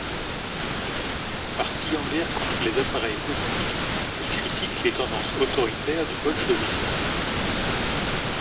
Partie en guerre contre les appareils politiques, elle critique les tendances autoritaires du bolchevisme.